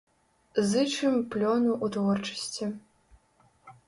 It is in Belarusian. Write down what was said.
Зычым плёну ў творчасці.